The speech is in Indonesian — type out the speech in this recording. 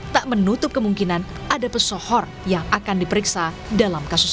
tak menutup kemungkinan ada pesohor yang akan diperiksa dalam kasus